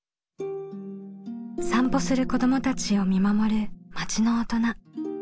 散歩する子どもたちを見守る町の大人。